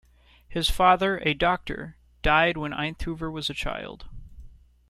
His father, a doctor, died when Einthoven was a child.